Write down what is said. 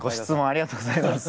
ありがとうございます。